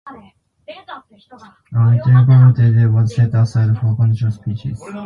An entire parliamentary day was set aside for condolence speeches.